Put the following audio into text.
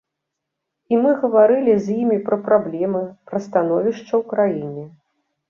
І мы гаварылі з імі пра праблемы, пра становішча ў краіне.